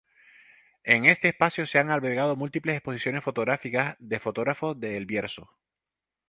En este espacio se han albergado múltiples exposiciones fotográficas de fotógrafos de El Bierzo.